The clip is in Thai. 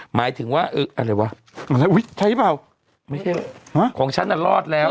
หมายถึงว่าเอออะไรวะใช่เปล่าไม่ใช่เหรอฮะของฉันน่ะรอดแล้ว